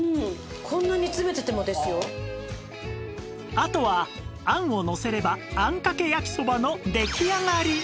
あとはあんをのせればあんかけ焼きそばの出来上がり！